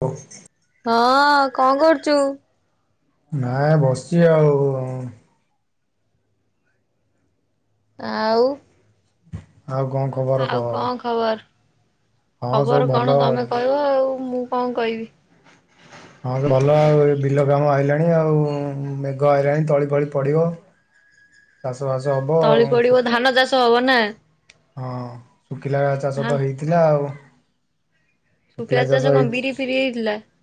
ହଉ। ହଁ କଣ କରୁଚୁ? ନାଇଁ ବସିଛି ଆଉ। ଆଉ ଆଉ କଣ ଖବର ଆଉ କହ? କଣ ଖବର ହଁ ସବୁ ଖବର ଭଲ କଣ ଆଉ। ତମେ କହିବ ଆଉ ମୁଁ କଣ କହିବି। ହଁ ଭଲ ଆଉ ଏ ବିଲ କାମ ଆଇଲାଣି ଆଉ ମେଘ ହେଇଲାଣି ତଳି ଫଳି ପଡିବ। ଚାଷବାସ ହବ। ଆଉ ତଳି ପଡିବ ଧାନ ଚାଷ ହବ ନା? ହଁ ଶୁଖିଲା ଚାଷ ଧାନ ତ ହେଇଥିଲା ଆଉ। ଶଖିଲା ଚାଷ ହେଇଚି। ହ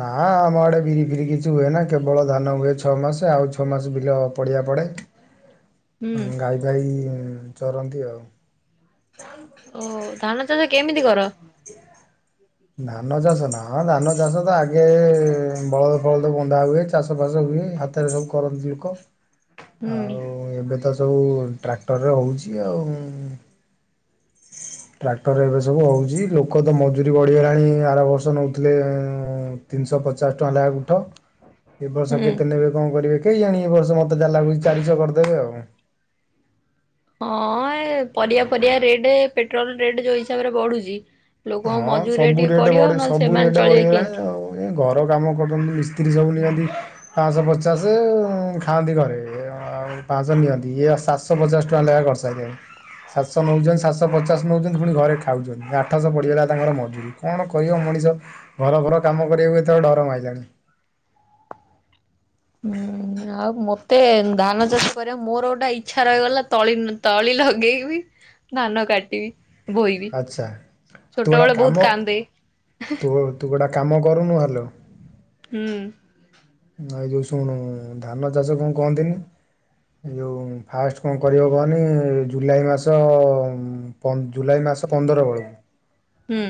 ନା ଆମ ଆଡ଼େ ବିରି ଫିରି କିଛି ହୁଏ ନା କେବଳ ଧାନ ହୁଏ ଛଅ ମାସ ଆଉ ଛଅ ମାସ ବିଲେ ପଡ଼ିଆ ପଡ଼େ। [unintelligible] ଗାଈ ଭାଇ ଚରନ୍ତି ଆଉ। ଓ ହୋ ଧାନ ଚାଷ କେମିତି କର? ଧାନ ଚାଷ ନାଁ ହଁ ଧାନ ଚାଷ ତ ଆଗେ ବଳଦ ଫଳଦ ବନ୍ଧା ହୁଏ ଚାଷ ଫାସ ହୁଏ। ହାତରେ ସବୁ କରନ୍ତି ଲୋକ। ହୁଁ ଆଉ ଏବେ ତ ସବୁ ଟ୍ରାକ୍ଟରରେ ହଉଛି ଆଉ। ଟ୍ରାକ୍ଟର ଏବେ ସବୁ ହଉଛି ଲୋକ ତ ମଜୁୁରୀ ବଢିଗଲାଣି ଆର ବର୍ଷ ନଉଥିଲେ ଉଁ ତିନିଶହ ପଚଶଙ୍କା ନାଖେ ଗୁଣ୍ଠ। ହଁ। ଏ ବର୍ଷ କେତେ ନେବେ କଣ କରିବେ କେଇଜାଣି ଏ ବର୍ଷ ମତେ ଯାହା ଲାଗୁଛି ଚାରିଶହ କରିଦେବେ ଆଉ। ହଁ ଏ ପରିବା ପରିବା ରେଟ୍ ପେଟ୍ରୋଲ ରେଟ୍ ଯୋଉ ହିସାବରେ ବଢୁଛି। ଲୋକଙ୍କ ହଁ ମଜୁରୀରେ ସବୁ ଟିକେ ରେଟ ପଡିବ ବଢିଛି ନହେଲେ ସବୁ ସେମାନେ ରେଟ ଚଳିବେ ବଢିଗଲାଣି କେମିତି? ଆଉ। ଘର କାମ କରୁଛନ୍ତି ମିସ୍ତ୍ରୀ ସବୁ ନିଅନ୍ତି। ପାଞ୍ଚଶହ ପଚାଶ ଖାଆନ୍ତି ଘରେ। ଆଉ ପାଞ୍ଚହ ନିଅନ୍ତି ଇଏ ସାତଶହ ପଚାଶ ଟଙ୍କା ଲେଖା କରିସାରିଲେଣି। ସାତଶହ ନେଉଛନ୍ତି ସାତଶହ ପଚାଶ ନେଉଛନ୍ତି ପୁଣି ଘରେ ଖାଉଛନ୍ତି ଆଠଶହ ପଡ଼ିଗଲା। ତାଙ୍କର ମଜୁରୀ କଣ କରିବ ମଣିଷ ଘର ଭର କାମ କରିବାକୁ ଏତେବେଳେ ଡର ମାଇଲାଣି। ହୁଁ ଆଉ ମତେ ଧାନ ଚାଷ କରିବା ମୋର ଗୋଟେ ଇଚ୍ଛା ରହିଗଲା ତଳି ତଳି ଲଗେଇବି ଧାନ କାଟିବି। ବହିବି ଆଚ୍ଛା ତୁ ଗୋଟା ଛୋଟବେଳେ କାମ ବହୁତ କାନ୍ଦେ। ତୁ ତୁ ଗୋଟା କାମ କରୁନୁ ହାଲୋ। ହୁଁ। ଆ ଏ ଯୋଉ ଶୁଣୁ ଧାନ ଚାଷ କଣ କହନ୍ତିନି? ଏ ଯୋଉ ଫାଷ୍ଟ କଣ କରିବ କହନି ଜୁଲାଇ ମାସ ପ ଜୁଲାଇ ମାସ ପନ୍ଦର ବେଳକୁ। ହୁଁ।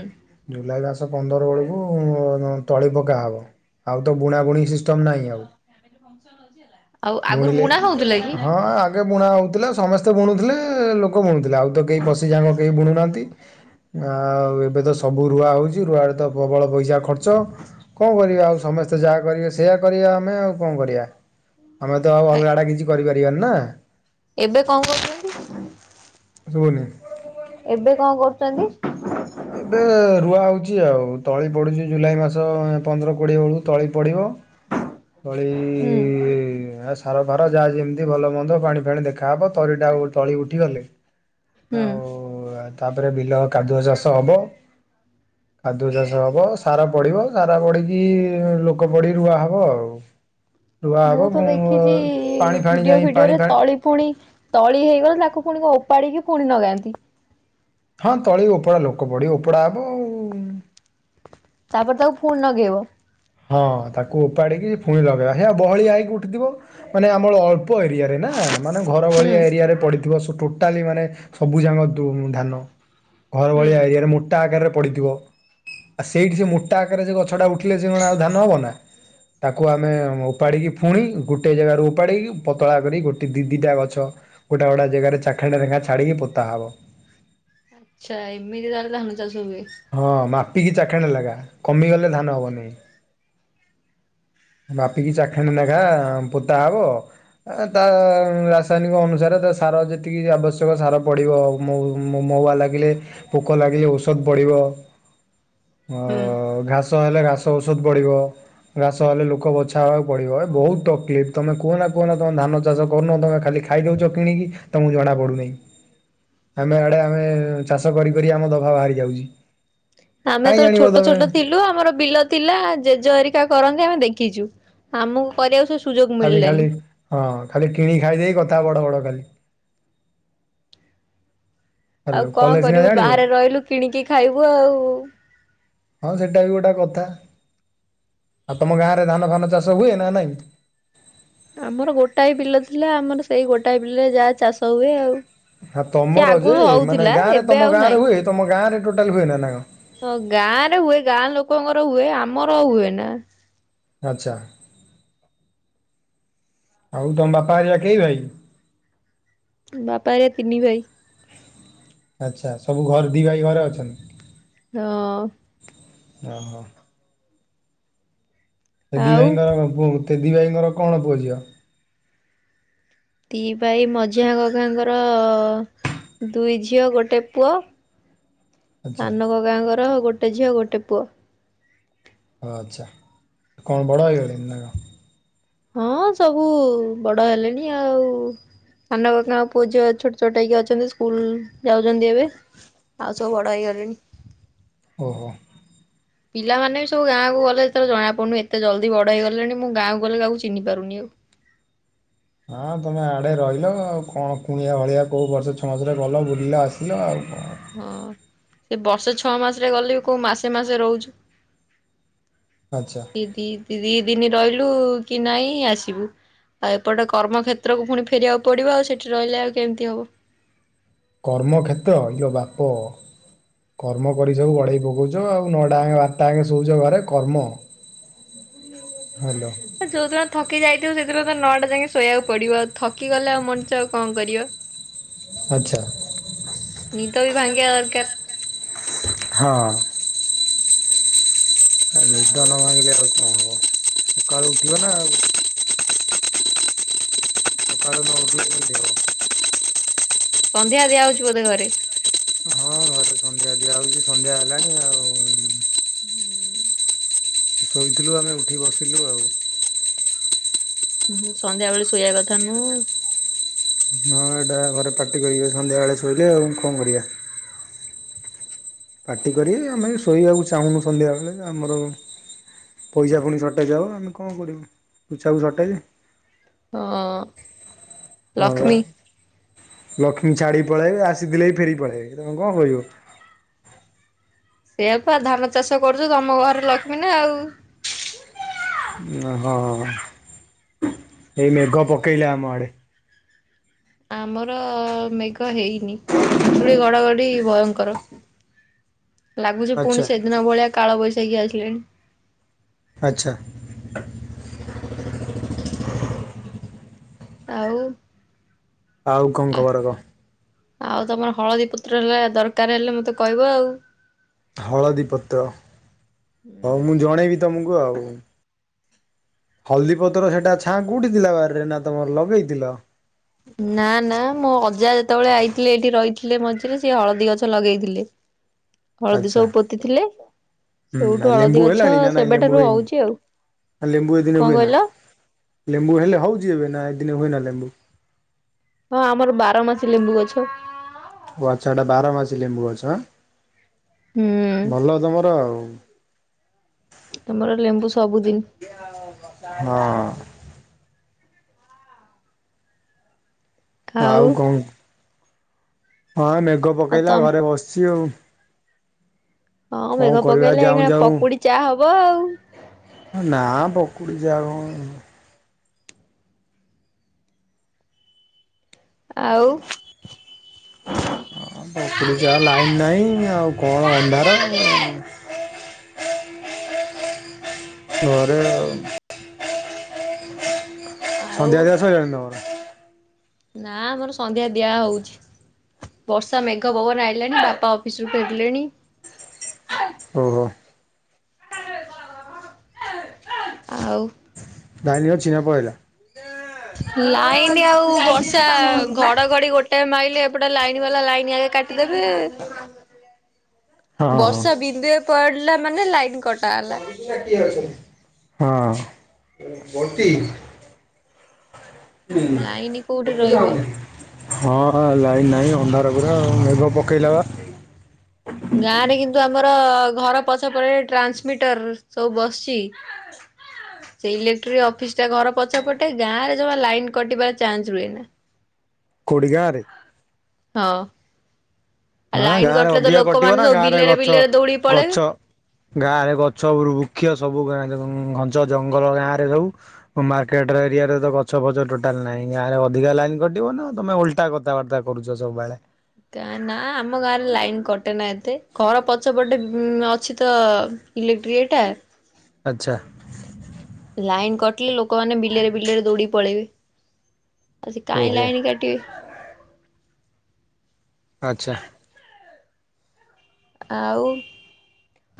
ଜୁଲାଇ ମାସ ପନ୍ଦର ବେଳକୁ ତଳି ପକା ହବ। ଆଉ ତ ବୁଣାବୁଣି ସିଷ୍ଟମ୍ ନାହିଁ ଆଉ। ଆଉ ଆଗୁରୁ ବୁଣିଲେ ବୁଣା ହଉଥିଲା କି? ହଁ ବୁଣା ହଉଥିଲା ସମସ୍ତେ ବୁଣୁଥିଲେ ଲୋକ ବୁଣୁଥିଲେ ଆଉ ତ କେହି ପଶିଯାଙ୍ଗ କେହି ବୁଣୁନାହାନ୍ତି। ଆଉ ଏବେ ତ ସବୁ ରୁଆ ହଉଛି ରୁଆରେ ତ ପ୍ରବଳ ପଇସା ଖର୍ଚ୍ଚ। କଣ କରିବା ଆଉ ସମସ୍ତେ ଯାହା କରିବେ ସେଇଆ କରିବା ଆମେ ଆଉ କଣ କରିଆ। ଆମେ ତ ଆଉ ଅଲଗାଡା କିଛି କରିପାରିବାନି ନା? ଏବେ କଣ କରୁଚନ୍ତି ଶୁଭୁନି। ଏବେ କଣ କରୁଚନ୍ତି? ଏବେ ରୁଆ ହେଉଛି ଆଉ ତଳି ପଡ଼ୁଛି ଜୁଲାଇ ମାସ ଏ ପନ୍ଦର କୋଡ଼ିଏ ବେଳକୁ ତଳି ପଡ଼ିବ। ହୁଁ ତଳି ଆସ୍ ସାର ଫାର ଯାହା ଯେମିତି ଭଲ ମନ୍ଦ ପାଣି ଫାଣି ଦେଖାହେବ ତରିଟା ଉ ତଳି ଉଠିଗଲେ ହୁଁ ଆଉ ଆ ତାପରେ ବିଲ କାଦୁଅ ଚାଷ ହବ। [inaudible] କାଦୁଅ ଚାଷ ହବ ସାର ପଡ଼ିବ ସାର ପଡ଼ିକି ଲୋକ ପଡ଼ି ରୁଆ ହବ ଆଉ। ରୁଆ ମୁଁ ହବ ତ ପୁଣି ଦେଖିଛି ପାଣି ଫାଣି ଭିଡିଓ ଯାଇ ପାଣି ଫିଡିଓରେ ଫାଣି ତଳି ପୁଣି ତଳି ହେଇଗଲେ ତାକୁ ପୁଣି କ ଓପାଡିକି ପୁଣି ଲଗାନ୍ତି। ହଁ ତଳି ଓପଡା ଲୋକ ପଢି ଓପଡା ହବ ଆଉ। ତାପରେ ତାକୁ ପୁଣି ଲଗେଇବ। ହଁ ତାକୁ ଓପାଡିକି ପୁଣି ଲଗେଇବା ହେ ବହଳିଆ ହେଇକି ଉଠିଥିବ। ମାନେ ଆମର ଅଳ୍ପ ଏରିଆ ରେ ନା? ମାନେ ଘର ହୁଁ ଭଳିଆ ଏରିଆ ରେ ପଡିଥିବ ସୁ ଟୋଟାଲି ମାନେ ସବୁ ଯାଙ୍କ ଦୁ ଧାନ। ଘର ହୁଁ ଭଳିଆ ଏରିଆରେ ମୋଟା ଆକାରରେ ପଡିଥିବ ଆଉ ସେଇଠି ସେ ମୋଟା ଆକାରରେ ସେ ଗଛ ଟା ଉଠିଲେ ଯେ ଅଣା ଆଉ ଧାନ ହବ ନା? ତାକୁ ଆମେ ଉପାଡ଼ିକି ଫୁଣି ଗୋଟିଏ ଜାଗାରୁ ଉପାଡ଼ିକି ପତଳା କରି ଗୋଟି ଦିଇ ଦିଇ ଟା ଗଛ ଗୋଟା ଗୋଟା ଜାଗାରେ ଚାଖେଣ୍ଡା ନାଖା ଛାଡିକି ପୋତା ହବ। ଆଚ୍ଛା ଏମିତି ତାହେଲେ ଧାନ ଚାଷ ହୁଏ। ହଁ ମାପିକି ଚାଖେଣ୍ଡେ ଲାଗା କମିଗଲେ ଧାନ ହବନି। ମାପିକି ଚାଖେଣ୍ଡେ ନାଖା ପୋତା ହବ। ଏ ତା ରାସାୟନିକ ଅନୁସାରେ ତା ସାର ଯେତିକି ଆବଶ୍ୟକ ସାର ପଡିବ ଆଉ। ମଉ ମ ମହୁଆ ଲାଗିଲେ ପୋକ ଲାଗିଲେ ଔଷଧ ବଡିବ। [inaudible] ୱ ଘାସ ହେଲେ ଘାସ ଔଷଧ ପଡିବ। ନହଲେ ଲୋକ ବଛା ହେବାକୁ ପଡିବ ଏ ବହୁତ ତକଲିଫ ତମେ କୁହନା କୁହନା ନା ତମେ ଧାନ ଚାଷ କରୁନ ତମେ ଖାଲି ଖା ଖାଇଦଉଛ କିଣିକି ତମୁକୁ ଜଣାପଡୁନେଇ। [inaudible] ଆମେ ଆଡେ ଆମେ ଚାଷ କରି କରି ଆମ ଦଫା ବାହାରି ଯାଉଛି। ଆମେ କାଇଁ ଯେତେଳେ ଜାଣିବ ଛୋଟ ତମେ। ଛୋଟ ଥିଲ ଲୁ ଆମର ବିଲ ଥିଲା ଜେଜ ହେରିକା କରନ୍ତି ଆମେ ଦେଖିଛୁ ଆମକୁ କରିବାକୁ ସୁ ଖାଲି ଖାଲି ହଁ ଖାଲି କିଣି ଖାଇ ଦେଇେ କଥା ବଡ ବଡ ଖାଲି। ଆଉ ହାଲୋ କଣ କଲେ ସିନା କରିବୁ ଜାଣିବ। ବାହାରେ ରହିଲୁ କିଣିକି ଖାଇବୁ ଆଉ। ହଁ ସେଟା ବି ଗୋଟେ କଥା। ଆଉ ତମ ଗାଁରେ ଧାନ ଫାନ ଚାଷ ହୁଏ ନା ନାଇଁ? ଆମର ଗୋଟାଏ ବିଲ ଥିଲା ଆମର ସେଇ ଗୋଟାଏ ବିଲରେ ଯାହା ଚାଷ ହୁଏ ଆଉ। ହଁ ସିଏ ତମର ଯେ ଆଗରୁ ମାନେ ହଉଥିଲା ଗାଁରେ ଏବେ ତମ ଆଉ ଗାଁ ରେ ନାହିଁ। ହୁଏ ତମ ଗାଁ ରେ ଟୋଟାଲ ହୁଏ ନା କଣ? ହଁ ଗାଁ ରେ ହୁଏ ଗାଁ ଲୋକଙ୍କର ହୁଏ ଆମର ହୁଏ ନା। ଆଚ୍ଛା। ଆଉ ତମ ବାପା ହେଇକା କେଇ ଭାଇ? ବାପା ହେରିଆ ତିନି ଭାଇ। ଆଚ୍ଛା ସବୁ ଘର ଦି ଭାଇ ଘରେ ଅଛନ୍ତି? ହଁ ଓହୋ ହେ ଦି ଆଉ ଭାଇଙ୍କର [unintelligible] ଦି ଭାଇଙ୍କର କଣ ପୁଅ ଝିଅ? ଦି ଭାଇ ମଝିଆ କକାଙ୍କର ଦୁଇ ଝିଅ ଗୋଟେ ପୁଅ। ଆଚ୍ଛା ସାନ କକାଙ୍କର ଗୋଟେ ଝିଅ ଗୋଟେ ପୁଅ। ଆଚ୍ଛା କଣ ବଡ଼ ହୋଇଗଲେଣି ନା କଣ? ହଁ ସବୁ ବଡ ହେଲେଣି ଆଉ ସାନ କକାଙ୍କ ପୁଅ ଝିଅ ଛୋଟ ଛୋଟ ହେଇକି ଅଛନ୍ତି ସ୍କୁଲ ଯାଉଚନ୍ତି ଏବେ। ଆଉ ସବୁ ବଡ ହେଇଗଲେଣି। ଓହୋ। ପିଲାମାନେ ସବୁ ଗାଁକୁ ଗଲେ ସେତେ ଜଣା ପଡୁନି ଏତେ ଜଲଦି ବଡ ହେଇଗଲେଣି ମୁଁ ଗାଁକୁ ଗଲେ କାହାକୁ ଚିହ୍ନି ପାରୁନି ଆଉ ହଁ ତମେ ଆଡ଼େ ରହିଲ ଆଉ କଣ କୁଣିଆ ଭଳିଆ କୋଉ ବର୍ଷ ଛଅ ମାସରେ ଗଲ ବୁଲିଲ ଆସିଲ ଆଉ କଣ ହଁ ସେ ବର୍ଷେ ଛଅ ମାସରେ ଗଲେ ବି କୋଉ ମାସେ ମାସେ ରହୁଚୁ ଆଚ୍ଛା। ଦି ଦି ଦିନ ରହିଲୁ କି ନାଇଁ ଆସିବୁ ଆଉ ଏପଟେ କର୍ମକ୍ଷେତ୍ରକୁ ପୁଣି ଫେରିବାକୁ ପଡ଼ିବ ଆଉ ସେଠି ରହିଲେ ଆଉ କେମିତି ହବ କର୍ମକ୍ଷେତ୍ର ଇଅ ବାପ କର୍ମ କରି ସବୁ ଗଢେଇ ପକଉଚ ଆଉ ନଅଟା ଯାଙ୍କେ ବାରଟା ଯାଙ୍କେ ଶୋଉଚ ଘରେ କର୍ମ ହାଲୋ। ଯୋଉଦିନ ଥକି ଯାଇଥିବ ସେଦିନ ତ ନଅଟା ଯାଙ୍କେ ଶୋଇବାକୁ ପଡିବ ଆଉ ଥକି ଗଲେ ଆଉ ମଣିଷ ଆଉ କଅଁଣ କରିବ। [unintelligible] ଆଚ୍ଛା। ନିଦ ବି ଭାଙ୍ଗିିବା ଦରକାର ହଁ। ଏ ଆଉ ନିଦ ନ ଭାଙ୍ଗିଲେ ଆଉ କଣ ହବ ସକାଳୁ ଉଠିବ ନା ଆଉ ସକାଳୁ ନ ଉଠିଲେ କେମିତି ହବ। ସନ୍ଧ୍ୟା ଦିଆ ହଉଛି ବୋଧେ ଘରେ ହଁ ହଁ ସନ୍ଧ୍ୟା ଦିଆ ହଉଛି ସନ୍ଧ୍ୟା ହେଲାଣି ଆଉ ହୁଁ। ଶୋଇଥିଲୁ ଆମେ ଉଠି ବସିଲୁ ଆଉ। ହୁଁ ସନ୍ଧ୍ୟା ବେଳେ ଶୋଇ କଥା ନୁହ ହଁ ଏଇଟା ଘରେ ପାଟି କରିବେ ସନ୍ଧ୍ୟା ବେଳେ ଶୋଇଲେ ଆଉ କଅଁଣ କରିବା। ପାଟି କରିବେ ଆମେ ଶୋଇବାକୁ ଚାହୁଁନୁ ସନ୍ଧ୍ୟାବେଳେ ଆମର ପଇସା ପୁଣି ସର୍ଟେଜ ହବ ଆମେ କଅଣ କରିବୁ ତୁଛାକୁ ସର୍ଟେଜେ ହଁ ହଁ ବା ଲକ୍ଷ୍ମୀ ଛାଡିକି ପଳେଇବେ ଆସିଥିଲେ ବି ଫେରି ପଳେଇବେ ତମେ କଅଣ କରିବ ସେଇଆପା ଧାନ ଚାଷ କରୁଚ ତମ ଘରେ ଲକ୍ଷ୍ମୀ ନା ଆଉ ଏଇ ମେଘ ପକେଇଲା ଆମ ଆ ଆମର ମେଘ ହେଇନି, ବିଜୁଳି ଘଡଘଡି ଭୟଙ୍କର ଲାଗୁଚି ପୁଣି ଆଚ୍ଛା ସେଦିନ ଭଳିଆ କାଳ ବୈଶାଖି ଆସିଲେଣି। ଆଚ୍ଛା। ଆଉ ଆଉ କଣ ଖବର କ? ଆଉ ତମର ହଳଦୀ ପତ୍ର ହେରିକା ଦରକାର ହେଲେ ମତେ କହିବ ଆଉ। ହଳଦୀ ପତ୍ର ହଉ ମୁଁ ଜଣେଇବି ତୁମୁକୁ ଆଉ। ହଳଦୀ ପତ୍ର ସେଇଟା ଛାଁକୁ ଉଠିଥିଲା ବାରିରେ, ନା ତମର ଲଗେଇଥିଲ? ନା-ନା ମୋ ଅଜା ଯେତେବେଳେ ଆଇଥିଲେ ଏଇଠି ରହିଥିଲେ ମଝିରେ ସିଏ ହଳଦୀ ଗଛ ଲଗେଇଥିଲେ। ହଳଦୀ ଆଚ୍ଛା ସବୁ ପୋତି ଥିଲେ। ହୁଁ ଆଉ ଯୋଉଠୁ ଲେମ୍ବୁ ହଳଦୀ ଗଛ ହେଲାଣି ନା ନାଇଁ ଲେମ୍ବୁ ସେବେଠାରୁ ହେଇନି ହଉଚି ଆଉ, ଲେମ୍ବୁ ଏଦିନେ କଣ ହୁଏ ନା କହିଲ? ଲେମ୍ବୁ ହେଲେ ହଉଚି ଏବେ, ନା ଏଦିନେ ହୁଏନା ଲେମ୍ବୁ? ହଁ ଆମର ବାର ମାସି ଲେମ୍ବୁ ଗଛ। ଓ ଆଚ୍ଛା ଏଟା ବାର ମାସି ଲେମ୍ବୁ ଗଛ? ହୁଁ। ଭଲ ତମର ଆଉ। ତମର ଲେମ୍ବୁ ସବୁଦି ହଁ। ଆଉ କଣ ହଁ ମେଘ ଆଉ ପକେଇଲା ତମ ଘରେ ବସିଚି ଆଉ। ହଁ କଣ ମେଘ କରିବା ପକେଇଲେ ଯାଉଁ ଏଇକ୍ଷିଣା ଯାଉଁ ପକୁଡି ଚା ହବ ଆଉ। ହେ ନାଁ ପକୁଡ଼ି ଚା କଣ ଆଉ ହଁ ପକୁଡି ଚା ଲାଇନ୍ ନାହିଁ ଆଉ କଣ ଅନ୍ଧାର। ଘରେ ଆଉ। ଆଉ ସନ୍ଧ୍ୟା ଦିଆ ସଇଲାଣି ତମର? ନାଁ ଆମର ସନ୍ଧ୍ୟା ଦିଆ ହଉଚି। ବର୍ଷା ମେଘ ପବନ ଆଇିଲଣି ବାପା ଅଫିସ ରୁ ଫେରିଲେଣି। ଓହୋ। ଆଉ ଲାଇନି ଅଛି ନା ପଳେଇଲା? ଲାଇନି ଆଉ ଯାଇଥିଲି ନା ବର୍ଷା ତମ ଘରକୁ ବା ଘଡଘଡି ଗୋଟେ ମାଇଲେ ଏପଟେ ଲାଇନ୍ ବାଲା ଲାଇନି ଆ [inaudible] ହଁ ହଁ ବର୍ଷା ବିନ୍ଦୁଏ ପଡିଲା ମାନେ ଲାଇନ୍ [inaudible] ଆଉ ଲାଇନି କୋଉଟି ରହିବ। ହଁ ଆଉ ଲାଇନ୍ ନାହିଁ ଅନ୍ଧାର ପୁରା ଆଉ, ମେଘ ପକେଇଲା ବା। ଗାଁ ରେ କିନ୍ତୁ ଆମର ଘର ପଛ ପଟେରେ ଟ୍ରାନ୍ସମିଟର ସବୁ ବସିଚି। ସେଇ ଇଲେକ୍ଟ୍ରି ଅଫିସ୍ ଟା ଘର ପଛପଟେ ଗାଁ ରେ ଜମା ଲାଇନ୍ କଟିବାର ଜମା ଚାନ୍ସ ରୁହେନି। କୋଉଠି ଗାଁରେ? ହଁ ଆ ହଁ ଲାଇନ୍ ଗାଁ ରେ କଟିଲେ ତ ଅଧିକା କଟିବ ନା ଲୋକମାନେ ସବୁ ଗାଁ ରେ ଗଛ ବିଲେରେ-ବିଲେରେ ଦୌଡିକି ଗଛ ପଳେଇବେ। ଗାଁ ରେ ଗଛ ବୃକ୍ଷ ସବୁ ଘଞ୍ଚ ଜଙ୍ଗଲ ଗାଁ ରେ ସବୁ। ମାର୍କେଟ ର ଏରିଆରେ ତ ଗଛ ଫଛ ଟୋଟାଲ୍ ନାହିଁ, ଗାଁରେ ଅଧିକ ଲାଇନ୍ କଟିବ ନା ତମେ ଓଲଟା କଥାବାର୍ତ୍ତା କରୁଚ [unintelligible] କା ନା ଆମ ଗାଁରେ ଲାଇନ କଟେ ନା ଏତେ। ଘର ପଛପଟେ ଉଁ ଅଛି ତ ଇଲେକଟ୍ରି ଇଏ ଟା। ଆଛା। ଲାଇନ କଟିଲେ ଲୋକମାନେ ବିଲରେ ବିଲରେ ଦୌଡି ପଳେଇବେ। ଆଉ ସେ କାହିଁ ଓହୋ ଲାଇନ କାଟ କାଟିବେ। ଆଛା। ଆଉ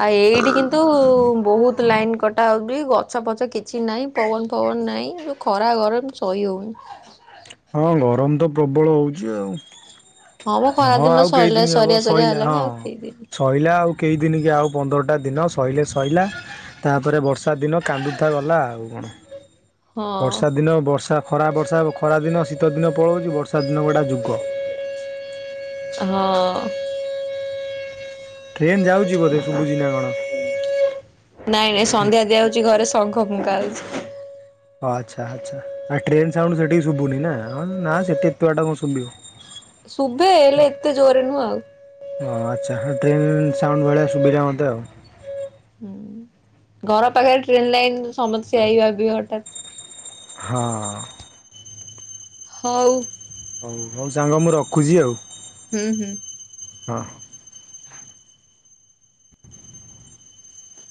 ଆ ଏଇଠି କିନ୍ତୁ ବୋହୁତ ଲାଇନ୍ କଟା ହଉଛି। ଗ ଗଛ ପଛ କିଛି ନାହିଁ ପବନ ଫବନ ନାହିଁ। ଯୋଉ ଖରା ଗରମ ସହି ହଉନି। ହଁ ଗରମ ତ ପ୍ରବଳ ହଉଚି ଆଉ। ମ ଖରା ହଁ ଦିନ ଆଉ ସରିଲା କେଇଦିନି ହବ ସରିଆ ସରିଆ ସଇଲା ହେଲାଣି ଆଉ ହଁ। କେଇ ଦିନି ସଇଲା ଆଉ କେଇଦିନି କି ଆଉ ପନ୍ଦରଟା ଦିନ ସାଇଲେ ସଇଲା। ତାପରେ ବର୍ଷା ଦିନ କାନ୍ଦୁଥା ଗଲା ଆଉ କଣ। ହଁ ବର୍ଷା ଦିନ ବର୍ଷା ଖରା ବର୍ଷା ଖରା ଦିନ ଶୀତ ଦିନ ପଳଉଛି ବର୍ଷା ଦିନ ଗୋଟା ଯୁଗ। ହଁ। ଟ୍ରେନ ଯାଉଛି ବୋଧେ ଶୁବୁଛି ନା କଣ? ନାଇଁ ନାଇଁ ସନ୍ଧ୍ୟା ଦିଆହଉଛି ଘରେ ସଙ୍ଖ ଫୁଙ୍କା ହଉଛି। ଓ ଆଛା ଆଛା। ଆ ଟ୍ରେନ୍ ସାଉଣ୍ଡ ସେଠିକି ଶୁଭୁନି ନା ନା ସେଠି ଏତେ ବାଟ କଣ ଶୁବିଭ। ଶୁଭେ ହେଲେ ଏତେ ଜୋରରେ ନୁହଁ ଆଉ। ହଁ ଆଛା ଟ୍ରେନ ସାଉଣ୍ଡ ଭଳିଆ ସୁବିଲା ମତେ ଆଉ। ହୁଁ ଘର ପାଖରେ ଟ୍ରେନ୍ ଲାଇନ ସମସ୍ତେ ସେଇଆ ହି ଭାବିବେ ହଠାତ୍। ହଁ। ହଉ। ହଉ ହଉ ସାଙ୍ଗ ମୁଁ ରଖୁଛି ଆଉ। ହୁଁ ହୁଁ। ହଁ।